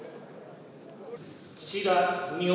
岸田文雄